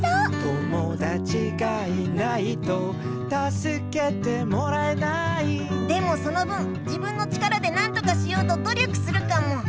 「友だちがいないとたすけてもらえない」でもその分自分の力でなんとかしようと努力するかも！